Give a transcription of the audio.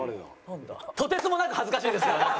とてつもなく恥ずかしいです。